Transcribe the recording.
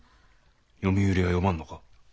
「読み売り」は読まんのか？